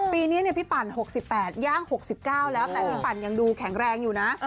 ปีนี้พี่ปั่น๖๘ย่าง๖๙แล้วแต่พี่ปั่นยังดูแข็งแรงอยู่นะ